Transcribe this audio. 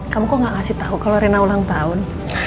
kamu kok nggak kasih tahu kalau rena ulang tahun